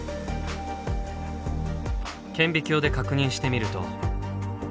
顕微鏡で確認してみると。